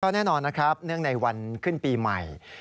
แน่นอนนะครับเนื่องในวันขึ้นปีใหม่